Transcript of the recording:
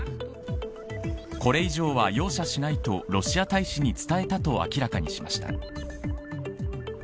これ以上は容赦しないとロシア大使に伝えたと明らかにしました。